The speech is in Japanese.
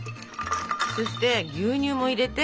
そして牛乳も入れて。